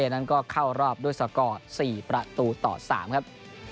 นั้นก็เข้ารอบด้วยสกอร์๔ประตูต่อ๓ครับ